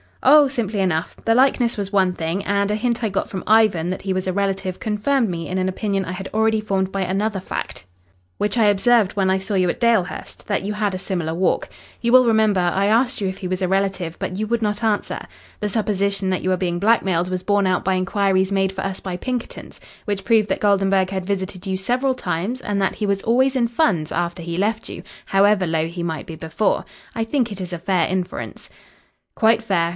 "Oh, simply enough. The likeness was one thing, and a hint I got from Ivan that he was a relative confirmed me in an opinion I had already formed by another fact which I observed when I saw you at Dalehurst that you had a similar walk. You will remember, I asked you if he was a relative, but you would not answer. The supposition that you were being blackmailed was borne out by inquiries made for us by Pinkerton's, which proved that Goldenburg had visited you several times and that he was always in funds after he left you, however low he might be before. I think it is a fair inference." "Quite fair."